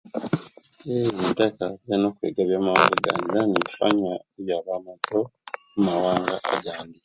Eyee intaka zena okwega ebwmawanga agandi zena nemba nga injaba maiso mumawanga agandi